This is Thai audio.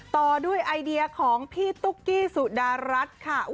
ต่อด้วยไอเดียของพี่ตุ๊กกี้สุดารัฐค่ะ